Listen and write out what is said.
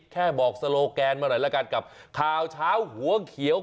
แค่บอกโซโลแกนเมื่อไหร่แล้วกันกับข่าวเช้าหัวเขียว